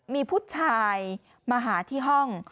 มีผู้ชายมาหาที่ห้อง